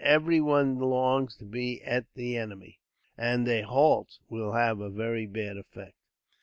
Everyone longs to be at the enemy, and a halt will have a very bad effect.